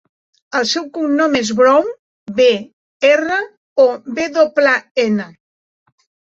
El seu cognom és Brown: be, erra, o, ve doble, ena.